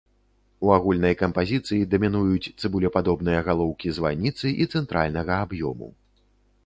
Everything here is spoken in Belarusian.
У агульнай кампазіцыі дамінуюць цыбулепадобныя галоўкі званіцы і цэнтральнага аб'ёму.